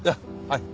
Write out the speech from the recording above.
はい。